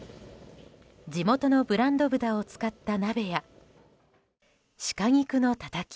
地元のブランド豚を使った鍋や鹿肉のたたき。